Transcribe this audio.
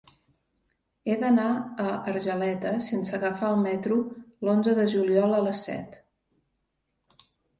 He d'anar a Argeleta sense agafar el metro l'onze de juliol a les set.